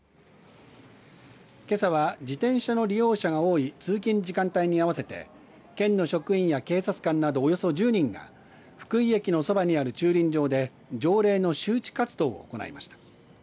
けさは自転車の利用者が多い通勤時間帯に合わせて県の職員や警察官などおよそ１０人が福井駅のそばにある駐輪場で条例の周知活動を行いました。